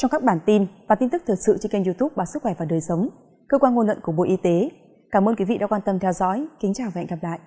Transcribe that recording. các bạn hãy đăng ký kênh để ủng hộ kênh của chúng mình nhé